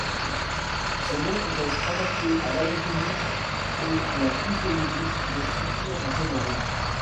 Son nom reste attaché à l'anatomie et la physiologie des structures rénales.